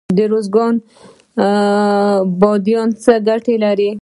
د ارزګان بادیان څه ګټه لري؟